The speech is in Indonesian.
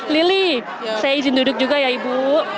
lili saya izin duduk juga ya ibu